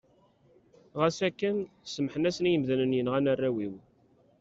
Ɣas akken, semmḥen-asen i yimdanen yenɣan arraw-iw.